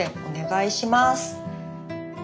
お願いします。